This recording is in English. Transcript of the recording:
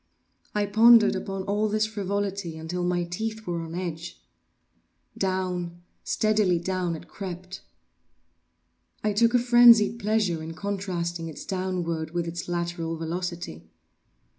I pondered upon all this frivolity until my teeth were on edge. Down—steadily down it crept. I took a frenzied pleasure in contrasting its downward with its lateral velocity.